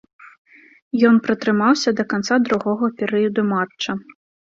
Ён пратрымаўся да канца другога перыяду матча.